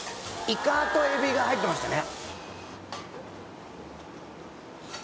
イカとエビが入ってましたね